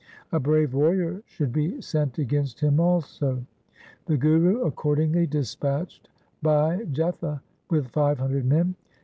A brave warrior should be sent against him also. The Guru accordingly dispatched Bhai Jetha with five hundred men.